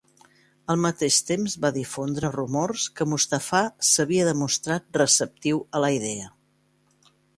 Al mateix temps, va difondre rumors que Mustafà s'havia demostrat receptiu a la idea.